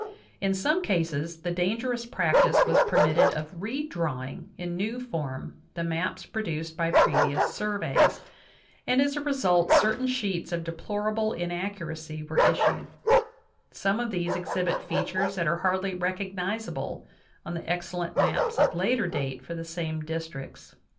In some cases the dangerous practice was permitted of redrawing in new form the maps produced by previous surveys, and as a result certain, sheets of deplorable inaccuracy were issued ; some of these exhibit features that are hardly recognizable on the excellent maps of later date for the same districts.